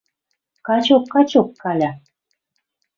«Качок, качок, Каля», —